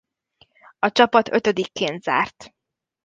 A csapat ötödikként zárt.